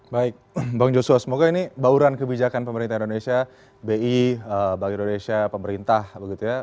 baik bang joshua semoga ini bauran kebijakan pemerintah indonesia bi bank indonesia pemerintah begitu ya